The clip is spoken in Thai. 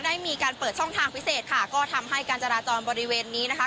ได้มีการเปิดช่องทางพิเศษค่ะก็ทำให้การจราจรบริเวณนี้นะคะ